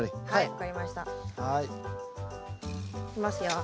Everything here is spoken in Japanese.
はい。